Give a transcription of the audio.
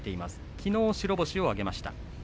きのう白星を挙げました。